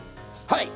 はい！